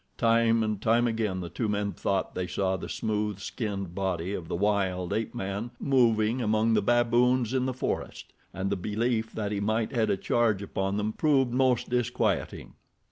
Time and time again the two men thought they saw the smooth skinned body of the wild ape man moving among the baboons in the forest, and the belief that he might head a charge upon them proved most disquieting.